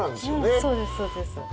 そうですそうです。